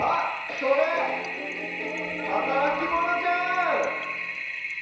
それはたらきモノじゃん！